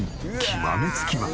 極め付きは。